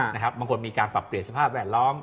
มันคิดว่าการปรับเปลี่ยนสภาพแวดล้อม